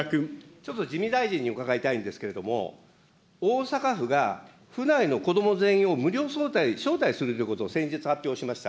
ちょっと、自見大臣に伺いたいんですけれども、大阪府が、府内のこども全員を無料招待するということを先日発表しました。